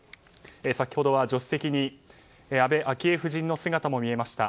先ほどは助手席に安倍昭恵夫人の姿も見えました。